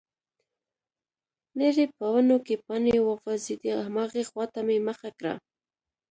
ليرې په ونو کې پاڼې وخوځېدې، هماغې خواته مې مخه کړه،